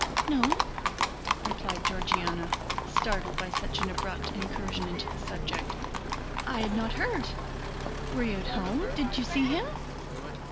"No," replied Georgiana, startled by such an abrupt incursion into the subject. "I had not heard. Were you at home? Did you see him?"